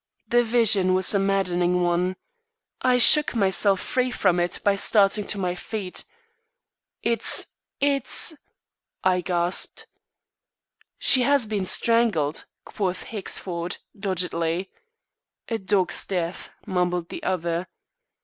The vision was a maddening one. I shook myself free from it by starting to my feet. "It's it's " I gasped. "She has been strangled," quoth Hexford, doggedly. "A dog's death," mumbled the other.